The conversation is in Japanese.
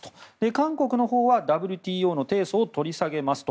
韓国のほうはＷＴＯの提訴を取り下げますと。